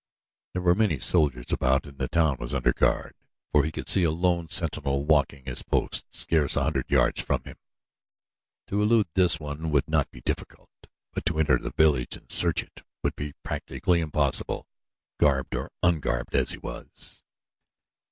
There were many soldiers about and the town was under guard, for he could see a lone sentinel walking his post scarce a hundred yards from him. To elude this one would not be difficult; but to enter the village and search it would be practically impossible, garbed, or un garbed, as he was.